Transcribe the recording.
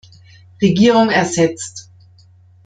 Regierung ersetzt.